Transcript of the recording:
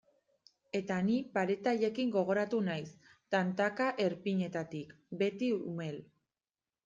Eta ni pareta haiekin gogoratu naiz, tantaka erpinetatik, beti umel.